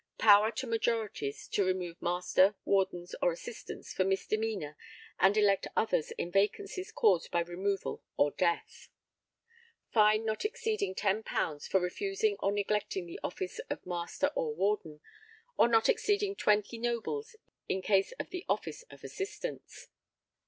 [_Power to majorities to remove Master, Wardens, or Assistants for misdemeanour and elect others in vacancies caused by removal or death._] [Fine not exceeding 10_l._ _for refusing or neglecting the office of Master or Warden, or not exceeding 20 nobles in case of the office of Assistants.